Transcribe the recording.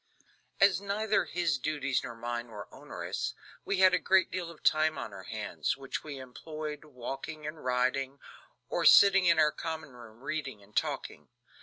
As neither his duties nor mine were onerous, we had a great deal of time on our hands, which we employed walking and riding, or sitting in our common room reading and talking.